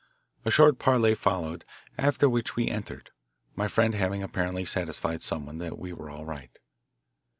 A short parley followed, after which we entered, my friend having apparently satisfied someone that we were all right.